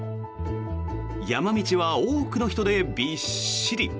山道は多くの人でびっしり。